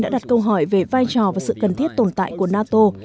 đưa ra nhiều câu hỏi về vai trò và sự cần thiết tồn tại của nato